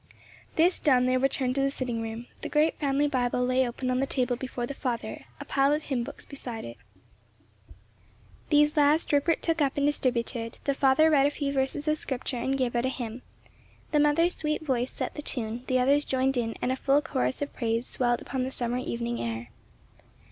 This done they returned to the sitting room. The great family Bible lay open on the table before the father, a pile of hymn books beside it. These last Rupert took up and distributed; the father read a few verses of Scripture and gave out a hymn. The mother's sweet voice set the tune, the others joined in and a full chorus of praise swelled upon the summer evening air.